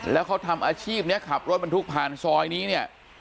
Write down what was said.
แล้วเขาทำอาชีพนี้ขับรถบรรทุกผ่านซอยนี้เนี่ย